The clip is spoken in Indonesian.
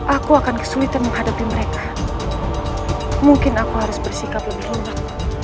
aku akan kesulitan menghadapi mereka mungkin aku harus bersikap lebih lengkap